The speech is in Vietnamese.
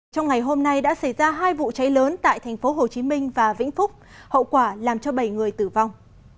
trong ngày hôm nay đã xảy ra hai vụ cháy lớn tại tp hcm và vĩnh phúc hậu quả làm cho bảy người tử vong